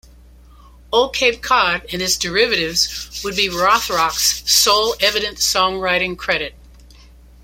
"Old Cape Cod" and its derivatives would be Rothrock's sole evident songwriting credit.